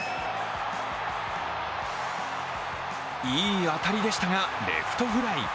いい当たりでしたが、レフトフライ。